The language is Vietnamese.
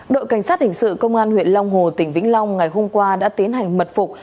đội cảnh sát hình sự công an huyện long hồ tỉnh vĩnh long ngày hôm qua đã tiến hành mật phục